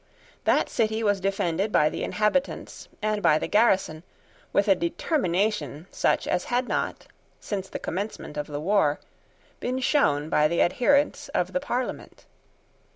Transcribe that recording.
That city was defended by the inhabitants and by the garrison, with a determination such as had not, since the commencement of the war, been shown by the adherents of the Parliament.